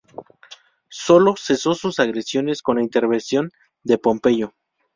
Sólo cesó sus agresiones con la intervención de Pompeyo.